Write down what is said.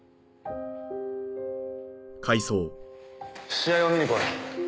試合を見に来い。